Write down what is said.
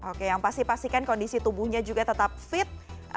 oke yang pasti pastikan kondisi tubuhnya juga tetap fit